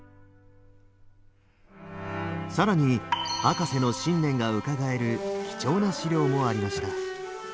更に博士の信念がうかがえる貴重な資料もありました。